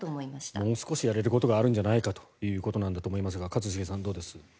もう少しやれることがあるんじゃないかということですが一茂さん、どうですか。